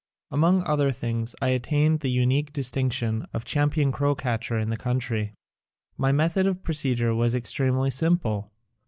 Among other things I attained the unique distinction of champion crow catcher in the country. My method of procedure was extremely simple.